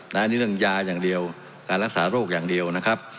อันนี้เรื่องยาอย่างเดียวการรักษาโรคอย่างเดียวนะครับ